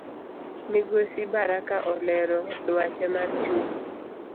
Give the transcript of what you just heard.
Migosi Baraka olero duache mar chung